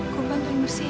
gue bantu ngu siin